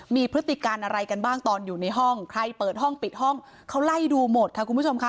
มีพฤติการอะไรกันบ้างตอนอยู่ในห้องใครเปิดห้องปิดห้องเขาไล่ดูหมดค่ะคุณผู้ชมค่ะ